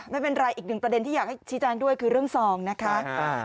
ไม่เป็นไรอีกหนึ่งประเด็นที่อยากให้ชี้แจงด้วยคือเรื่องซองนะคะ